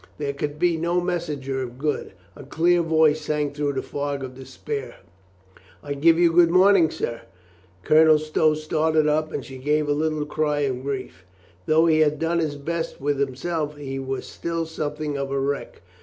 There could be no messenger of good. A clear voice rang through the fog of despair, "I give you good mor row, sir." Colonel Stow started up and she gave a little cry of grief. Though he had done his best with him self, he was still something of a wreck.